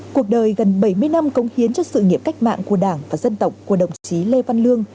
cuộc đời gần bảy mươi năm công hiến cho sự nghiệp cách mạng của đảng và dân tộc của đồng chí lê văn lương